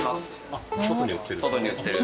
あっ外に売ってる？